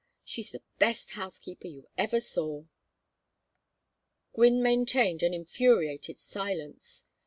She's the best housekeeper you ever saw." Gwynne maintained an infuriated silence.